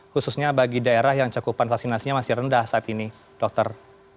khususnya bagi daerah yang cakupan vaksinasinya masih rendah saat ini dokter